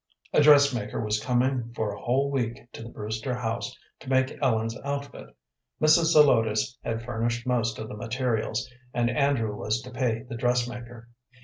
A dressmaker was coming for a whole week to the Brewster house to make Ellen's outfit. Mrs. Zelotes had furnished most of the materials, and Andrew was to pay the dressmaker.